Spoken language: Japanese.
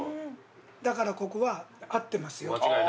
だからここは合ってますよと。